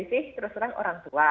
jadi sih terus terang orang tua